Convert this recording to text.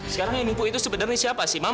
sekarang yang nipu itu sebenarnya siapa sih mama